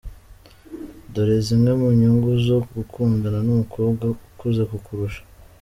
Dore zimwe mu nyungu zo gukundana n’umukobwa ukuze kukurusha.